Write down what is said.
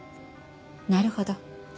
なるほど。